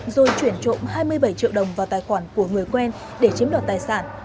rồi chuyển trộm hai mươi bảy triệu đồng vào tài khoản của người quen để chiếm đoạt tài sản